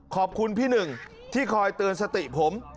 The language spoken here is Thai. ขอบคุณพี่หนึ่งที่คอยเตือนสติผม